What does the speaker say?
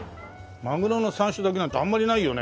まぐろの山椒炊きなんてあんまりないよね。